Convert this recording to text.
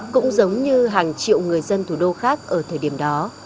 cũng giống như hàng triệu người dân thủ đô khác ở thời điểm đó